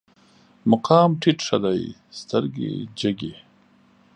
مقام ټيټ ښه دی، سترګې جګې